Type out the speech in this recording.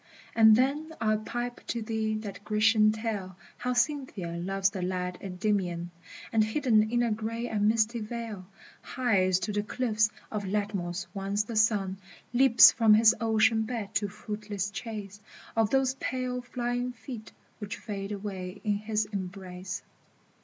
And then I'll pipe to thee that Grecian tale How Cynthia loves the lad Endymion, And hidden in a gray and misty veil Hies to the cliffs of Latmos once the Sun Leaps from his ocean bed in fruitless chase Of those pale flying feet which fade away in his em brace.